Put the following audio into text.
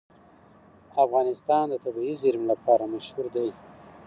افغانستان د طبیعي زیرمې لپاره مشهور دی.